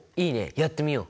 やってみよう。